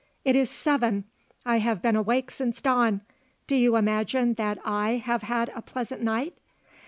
"It is seven. I have been awake since dawn. Do you imagine that I have had a pleasant night?"